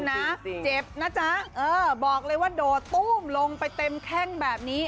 จริงจริงจริงเจ็บนะจ๊ะเออบอกเลยว่าโดดตู้มลงไปเต็มแข้งแบบนี้